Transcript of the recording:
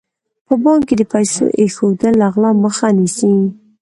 په بانک کې د پیسو ایښودل له غلا مخه نیسي.